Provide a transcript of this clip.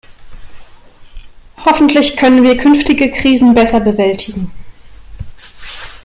Hoffentlich können wir künftige Krisen besser bewältigen.